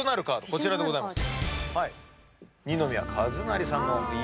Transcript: こちらでございます。